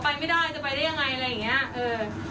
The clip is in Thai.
ไปไม่ได้หนูก็บอกว่าไปไม่ได้จะไปได้ยังไงอะไรอย่างเงี้ยเออ